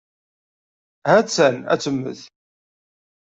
Ha-tt-an ad temmet.